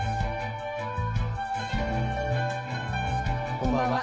こんばんは。